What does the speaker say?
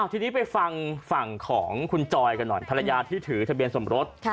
ทีนี้ไปฟังฝั่งของคุณจอยกันหน่อยภรรยาที่ถือทะเบียนสมรส